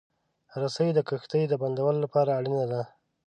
رسۍ د کښتۍ د بندولو لپاره اړینه ده.